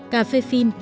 cà phê phim